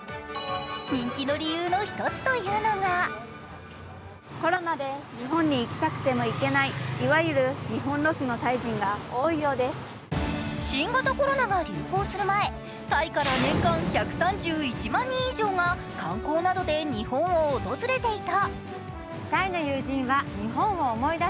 人気の理由の一つというのが新型コロナが流行する前、タイから年間１３１万人以上が観光などで日本を訪れていた。